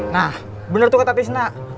nah bener tuh kata tis bantuin gua tis